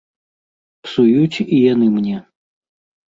Псуюць і яны мне.